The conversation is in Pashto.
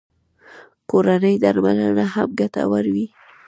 کورنۍ درملنه هم ګټوره وي